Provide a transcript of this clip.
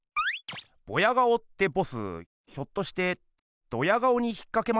ボヤ顔ってボスひょっとしてドヤ顔に引っかけました？